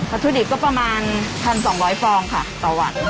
ถุดิบก็ประมาณ๑๒๐๐ฟองค่ะต่อวัน